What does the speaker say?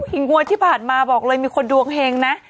อีกงวดที่ผ่านมาบอกเลยมีคนดวงเฮงนะ